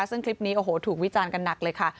ซึ่งคลิปนี้โอ้โหถูกวิจารณ์กันหนักเลยค่ะ